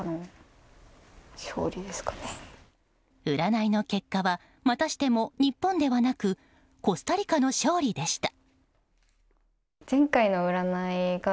占いの結果はまたしても日本ではなくコスタリカの勝利でした。